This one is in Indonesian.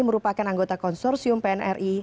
merupakan anggota konsorsium pnri